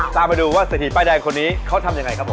ตามมาดูว่าเศรษฐีป้ายแดงคนนี้เขาทำยังไงครับผม